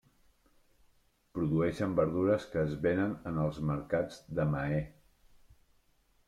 Produeixen verdures que es venen en els mercats de Mahé.